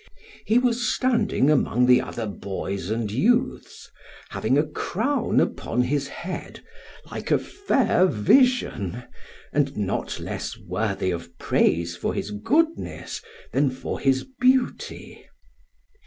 He was standing among the other boys and youths, having a crown upon his head, like a fair vision, and not less worthy of praise for his goodness than for his beauty.